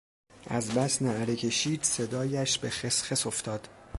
از بس نعره کشید صدایش به خس خس افتاد.